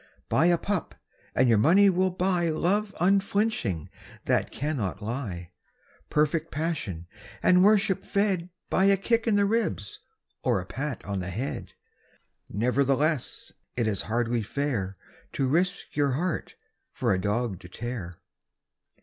Buy a pup and your money will buy Love unflinching that cannot lie Perfect passion and worship fed By a kick in the ribs or a pat on the head. Nevertheless it is hardly fair To risk your heart for a dog to tear.